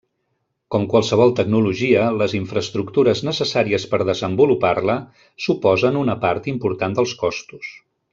Com qualsevol tecnologia, les infraestructures necessàries per desenvolupar-la suposen una part important dels costos.